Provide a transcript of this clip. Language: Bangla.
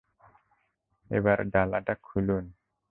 এবার ডালাটা খুলুন?